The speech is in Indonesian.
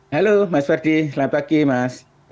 halo mas ferdi selamat pagi mas